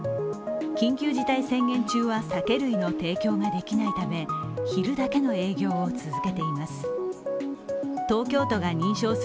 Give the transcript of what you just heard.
緊急事態宣言中は酒類の提供ができないため昼だけの営業を続けています。